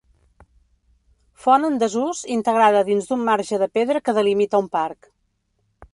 Font en desús integrada dins d'un marge de pedra que delimita un parc.